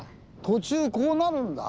途中こうなるんだ。